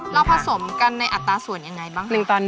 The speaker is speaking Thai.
เราผสมกันในอัตราส่วนยังไงบ้าง